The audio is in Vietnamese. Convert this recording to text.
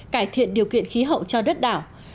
cải thiện điều kiện khí hậu cho đất đảo